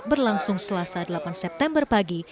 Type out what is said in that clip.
berlangsung selasa delapan september pagi